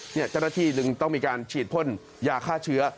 เจ้าหน้าที่จึงต้องมีการฉีดพ่นยาฆ่าเชื้อ